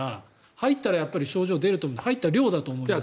入ったら症状が出ると思う入った量だと思うんだけど。